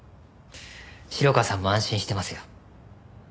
城川さんも安心してますよ。